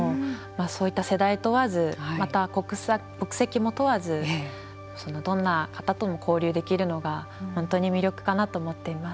そういった世代問わずまた国籍も問わずどんな方とも交流できるのが本当に魅力かなと思っています。